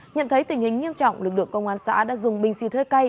nhận thấy tình hình nghiêm trọng lực lượng công an xã đã dùng binh si thuê cây